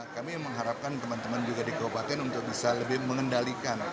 kami mengharapkan teman teman juga di kabupaten untuk bisa lebih mengendalikan